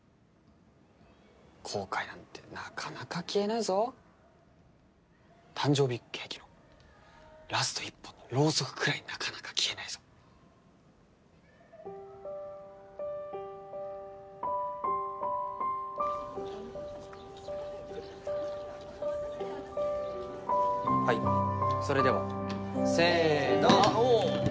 後悔なんてなかなか消えないぞ誕生日ケーキのラスト１本のろうそくぐらいなかなか消えないぞはいそれではせーのおおー